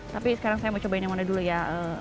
tapi sekarang saya mau cobain yang mana dulu ya